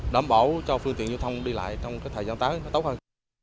đảm bảo cho phương tiện lưu thông đi lại trong thời gian tới tốt hơn